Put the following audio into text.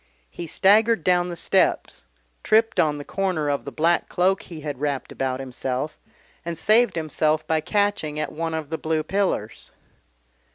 He staggered down the steps, tripped on the corner of the black cloak he had wrapped about himself, and saved himself by catching at one of the blue pillars.